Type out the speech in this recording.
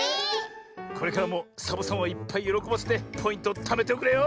これからもサボさんをいっぱいよろこばせてポイントをためておくれよ。